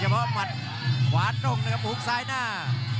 เพราะหมัดขวาด้งนะครับหุ้งซ้ายหน้า